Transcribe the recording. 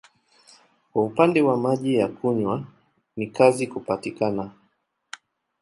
Kwa upande wa maji ya kunywa ni kazi kupatikana.